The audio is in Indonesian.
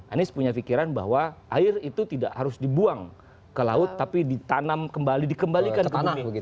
anies punya pikiran bahwa air itu tidak harus dibuang ke laut tapi ditanam kembali dikembalikan ke bumi